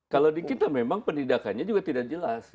kalau di kita memang pendidikannya juga tidak jelas